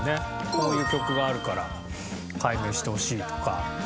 こういう曲があるから解明してほしいとか。